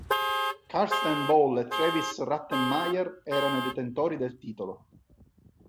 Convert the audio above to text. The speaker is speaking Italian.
Carsten Ball e Travis Rettenmaier erano i detentori del titolo.